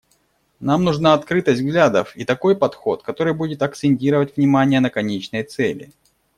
Нам нужна открытость взглядов и такой подход, который будет акцентировать внимание на конечной цели.